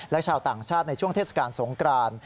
และชาวต่างชาติในช่วงเทศกาลสงกราน